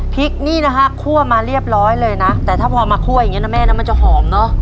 พริกนี่นะฮะคั่วมาเรียบร้อยเลยนะแต่ถ้าพอมาคั่วอย่างเงี้นะแม่นะมันจะหอมเนอะ